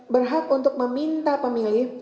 berhak untuk meminta pemilih